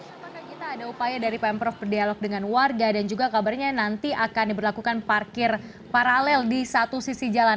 apakah kita ada upaya dari pemprov berdialog dengan warga dan juga kabarnya nanti akan diberlakukan parkir paralel di satu sisi jalan